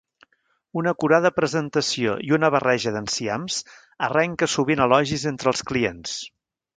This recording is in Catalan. Una acurada presentació i una barreja d'enciams arrenca sovint elogis entre els clients.